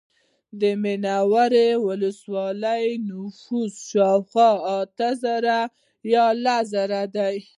د منورې ولسوالۍ نفوس شاوخوا اتیا زره یا سل زره دی